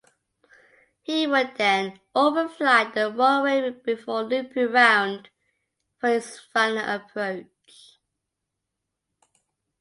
He would then overfly the runway before looping round for his final approach.